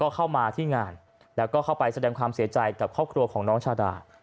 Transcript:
เข้ามาที่งานแล้วก็เข้าไปแสดงความเสียใจกับครอบครัวของน้องชาดา